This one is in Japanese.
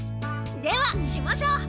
ではしましょう！